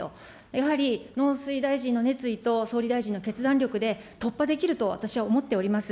やはり農水大臣の決意と総理大臣の決断力で、突破できると私は思っております。